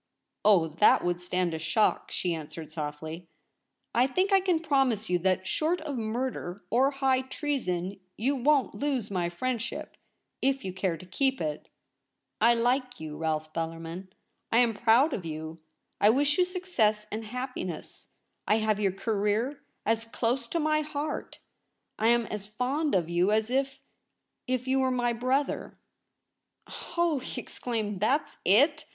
' Oh, that would stand a shock,' she answered softly. ' I think I can promise you that, short of murder or high treason, you won't lose my friendship — if you care to keep it. I like you, Rolfe Bellarmin. I am proud of you — I wish you success and happi ness. I have your career as close to my heart, I am as fond of you as if — if you were my brother.' ' Oh,' he exclaimed, ' that's it